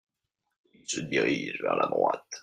Il se dirige vers la droite.